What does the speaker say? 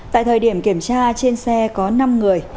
tại thời điểm kiểm tra trên xe có năm người